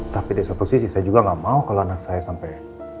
tapi di satu sisi saya juga gak mau kalau anak saya sampai